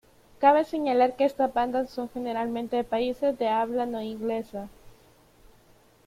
Cabe señalar que estas bandas son generalmente de países de habla no inglesa.